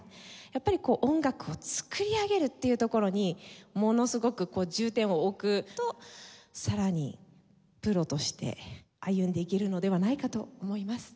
やっぱりこう音楽を作り上げるっていうところにものすごくこう重点を置くとさらにプロとして歩んでいけるのではないかと思います。